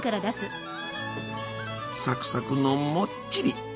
サクサクのもっちり！